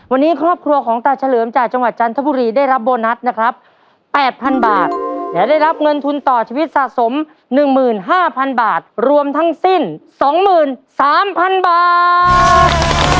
วันนี้ครอบครัวของตาเฉลิมจากจังหวัดจันทบุรีได้รับโบนัสนะครับแปดพันบาทและได้รับเงินทุนต่อชีวิตสะสมหนึ่งหมื่นห้าพันบาทรวมทั้งสิ้นสองหมื่นสามพันบาท